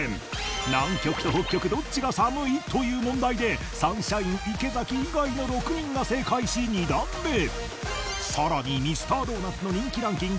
南極と北極どっちが寒い？という問題でサンシャイン池崎以外の６人が正解し２段目へさらにミスタードーナツの人気ランキング